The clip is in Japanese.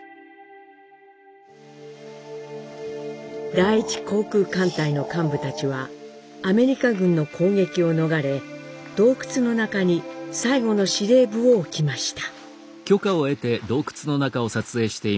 第一航空艦隊の幹部たちはアメリカ軍の攻撃を逃れ洞窟の中に最後の司令部を置きました。